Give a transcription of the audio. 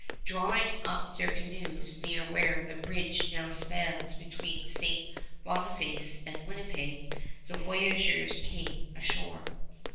Drawing up their canoes near where the bridge now spans between St. Boniface and Winnipeg, the voyageurs came ashore.